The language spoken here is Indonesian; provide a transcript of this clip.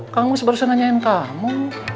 kang mus barusan nanyain kamu